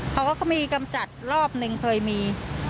เขาก็มีกำจัดรอบหนึ่งเคยมี